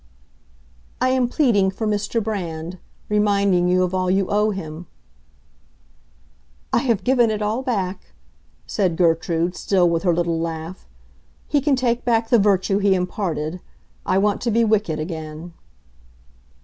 "I am pleading for Mr. Brand—reminding you of all you owe him." "I have given it all back," said Gertrude, still with her little laugh. "He can take back the virtue he imparted! I want to be wicked again."